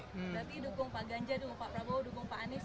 berarti dukung pak ganjar dukung pak prabowo dukung pak anies